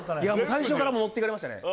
最初から持ってかれましたね